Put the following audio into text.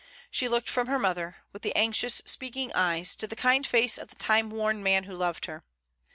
She looked from her mother, with the anxious, speaking eyes, to the kind face of the time worn man who loved her.